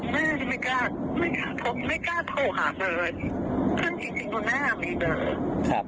ถ้าเราได้คุยกันเนี่ยเราต้องร้องไห้ด้วยกัน